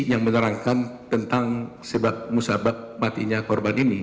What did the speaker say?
yang menerangkan tentang sebab musabab matinya korban ini